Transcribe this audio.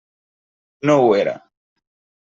No ho era.